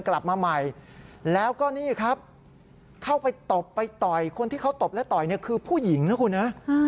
แล้วก็ตบและต่อยคือผู้หญิงนะครับ